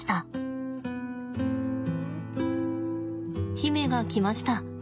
媛が来ました。